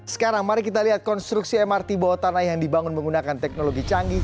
sekarang mari kita lihat konstruksi mrt bawah tanah yang dibangun menggunakan teknologi canggih